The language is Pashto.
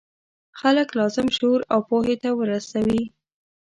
خلک لازم شعور او پوهې ته ورسوي.